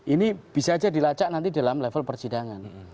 ini bisa aja dilacak nanti dalam level persidangan